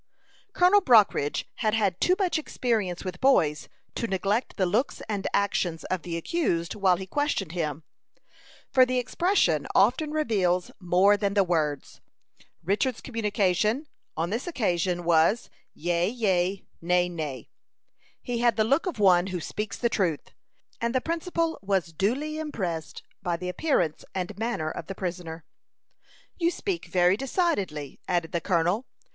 Colonel Brockridge had had too much experience with boys to neglect the looks and actions of the accused while he questioned him, for the expression often reveals more than the words. Richard's communication, on this occasion, was "yea, yea; nay, nay." He had the look of one who speaks the truth, and the principal was duly impressed by the appearance and manner of the prisoner. "You speak very decidedly," added the colonel.